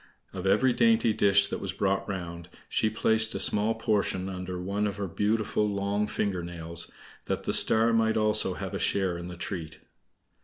Of every dainty dish that was brought round, she placed a small portion under one of her beautiful long finger nails, that the Star might also have a share in the treat.